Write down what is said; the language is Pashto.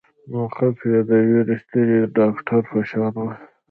موقف يې د يوې رښتينې ډاکټرې په شان وه.